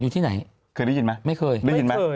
อยู่ที่ไหนเคยได้ยินไหมไม่เคยไม่เคย